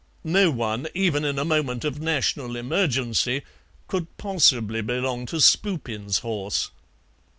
No one, even in a moment of national emergency, could possibly belong to Spoopin's Horse."